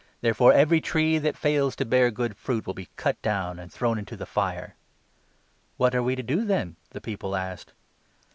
Therefore every tree that fails to bear good fruit will be cut down and thrown into the fire." " What are we to do then ?" the people asked.